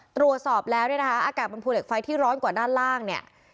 ตรวจสอบแล้วเนี่ยนะคะอากาศบนภูเหล็กไฟที่ร้อนกว่าด้านล่างเนี่ย